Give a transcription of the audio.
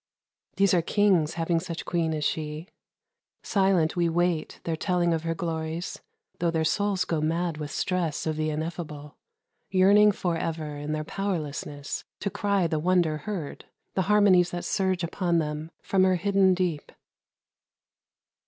These are kings, Having such queen as she. Silent we wait MUSIC. Their telling of her glories, tho' their souls Go mad with stress of the ineffable, Yearning forever in their powerlessness To cry the wonder heard, the harmonies That surge upon them from her hidden deep.